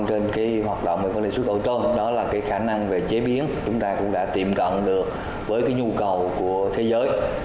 đặc biệt là trong khi hoạt động vừa xuất khẩu tôm đó là khả năng về chế biến chúng ta cũng đã tìm gần được với nhu cầu của thế giới